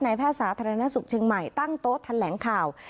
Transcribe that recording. แพทย์สาธารณสุขเชียงใหม่ตั้งโต๊ะแถลงข่าว